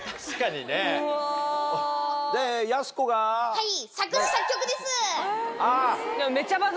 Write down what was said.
はい。